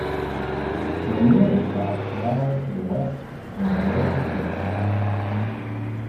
The nearest shops lie to the west in the village of Ditchling.